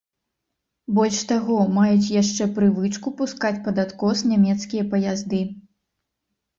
Больш таго, маюць яшчэ прывычку пускаць пад адкос нямецкія паязды.